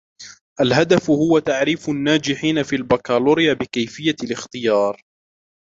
الهدف هو تعريف الناجحين في الباكالوريا بكيفية الاختيار